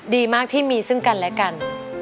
ดีมากที่มีซึ่งกันและกัน